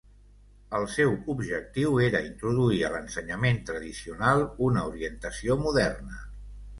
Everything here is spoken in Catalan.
El seu objectiu era introduir a l'ensenyament tradicional una orientació moderna.